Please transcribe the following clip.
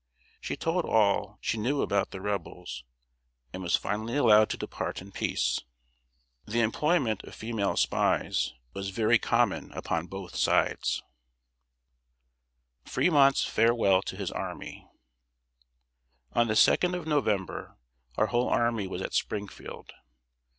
She told all she knew about the Rebels, and was finally allowed to depart in peace. The employment of female spies was very common upon both sides. [Sidenote: FREMONT'S FAREWELL TO HIS ARMY.] On the 2d of November our whole army was at Springfield.